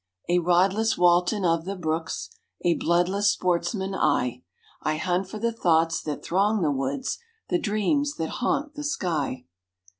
"A rodless Walton of the brooks, A bloodless sportsman I; I hunt for the thoughts that throng the woods, The dreams that haunt the sky."